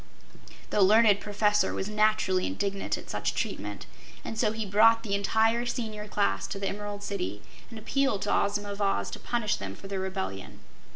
The learned Professor was naturally indignant at such treatment, and so he brought the entire Senior Class to the Emerald City and appealed to Ozma of Oz to punish them for their rebellion.